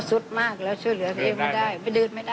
สุดมากแล้วช่วยเหลือเอ็มไม่ได้ดื่นไม่ได้ค่ะ